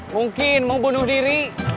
mungkin mau bunuh diri